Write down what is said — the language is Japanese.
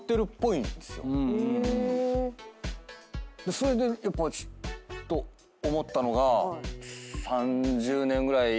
⁉それでやっぱちょっと思ったのが。